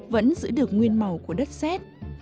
vẫn giữ được nguyên màu của đất xét